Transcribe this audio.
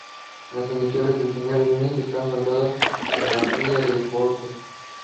The festival has its own Amis Music Festival Flag designed with specific symbolic significance.